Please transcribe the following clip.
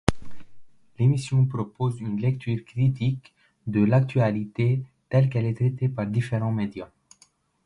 L’émission propose une lecture critique de l'actualité telle qu'elle est traitée par différents médias.